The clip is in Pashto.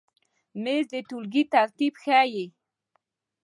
مېز د ټولګۍ ترتیب ښیي.